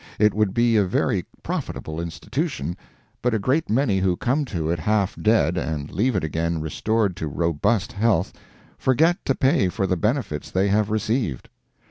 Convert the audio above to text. It would be a very profitable institution, but a great many who come to it half dead, and leave it again restored to robust health, forget to pay for the benefits they have received.